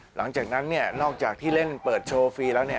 หลังจากนั้นนอกจากที่เล่นเปิดโชว์ฟรีแล้ว